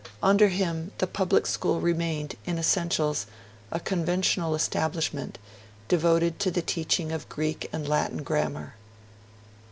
Under him, the public school remained, in essentials, a conventional establishment, devoted to the teaching of Greek and Latin grammar.